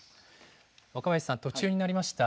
若林さん、途中になりました。